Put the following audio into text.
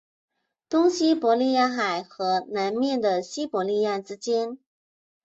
东西伯利亚海和南面的西伯利亚之间。